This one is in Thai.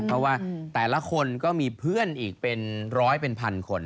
เพราะว่าแต่ละคนก็มีเพื่อนอีกเป็นร้อยเป็นพันคน